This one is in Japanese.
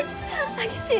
激しい！